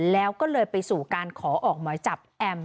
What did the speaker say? แล้วก็เลยไปสู่การขอออกหมายจับแอม